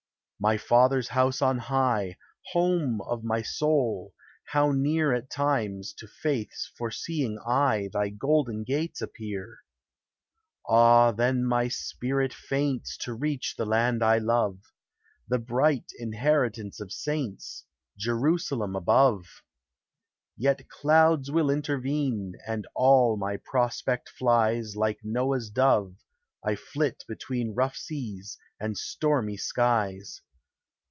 My Father's house on high, Home of my soul ! how near, At times, to faith's foreseeing eye Thy golden gates appear! Ah ! then my spirit faints To reach the land I love, The bright inheritance of saints, Jerusalem above ! 404 THE HIGHER LIFE. Yet clouds will intervene, And all my prospect flies; Like Noah's dove, I flit between Rough seas and stormy skies.